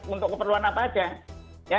untuk keperluan apa saja